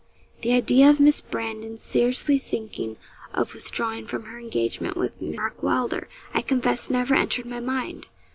The idea of Miss Brandon's seriously thinking of withdrawing from her engagement with Mark Wylder, I confess never entered my mind.